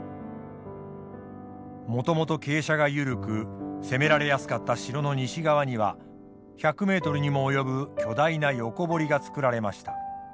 もともと傾斜が緩く攻められやすかった城の西側には１００メートルにも及ぶ巨大な横堀が作られました。